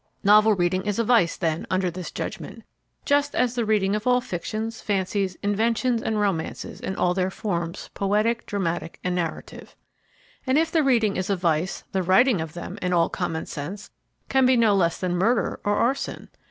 Novel reading is a vice, then, under this judgment, just as the reading of all fictions, fancies, inventions, and romances in all their forms, poetic, dramatic, and narrative. And if the reading is a vice the writing of them, in all common sense, can be no less than murder or arson.